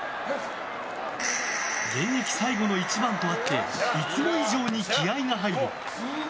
現役最後の一番とあっていつも以上に気合が入る。